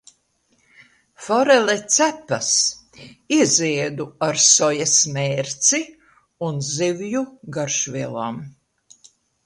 Forele cepas, ieziedu ar sojas mērci un zivju garšvielām.